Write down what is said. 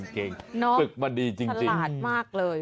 เก่งน้องสลาดมากเลย